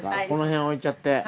このへん置いちゃって。